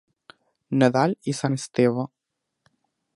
Nadal i Sant Esteve.